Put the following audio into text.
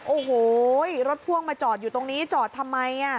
โอ้โหรถพ่วงมาจอดอยู่ตรงนี้จอดทำไม